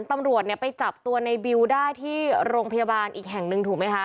ตำรวจเนี่ยไปจับตัวในบิวได้ที่โรงพยาบาลอีกแห่งหนึ่งถูกไหมคะ